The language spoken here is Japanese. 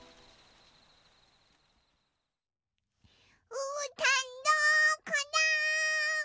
うーたんどこだ？